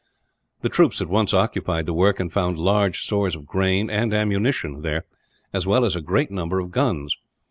The troops at once occupied the work, and found large stores of grain and ammunition there, as well as a great number of guns.